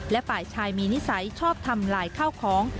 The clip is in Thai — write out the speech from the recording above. และฝ่ายชายมีนิสัยชอบทำลายข้าวของ